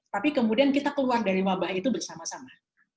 tapi kemudian kita keluar dari wabah itu bersama sama